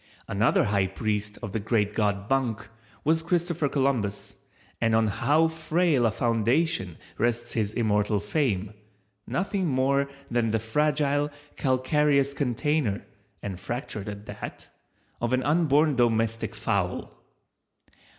Another high priest of the Great God Bunk was Christopher Columbus, and on how frail a foundation rests his immortal fame—nothing more than the fragile, calcareous container, (and fractured at that) of an unborn domestic fowl.